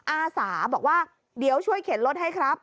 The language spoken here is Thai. อาสาบอกว่าเดี๋ยวช่วยเข็นรถให้ครับ